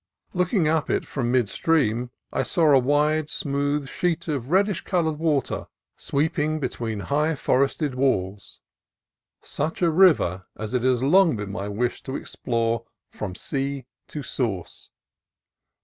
Looking up it from mid stream I saw a wide, smooth sheet of reddish colored water sweep REQUA: THE KLAMATH INDIANS 307 ing between high forested walls, — such a river as it has long been my wish to explore from sea to source.